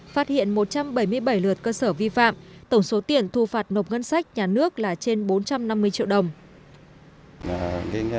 phát hiện một trăm bảy mươi bảy lượt cơ sở vi phạm tổng số tiền thu phạt nộp ngân sách nhà nước là trên bốn trăm năm mươi triệu đồng